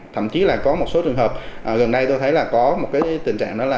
thậm chí là có một số trường hợp gần đây tôi thấy là có một cái tình trạng đó là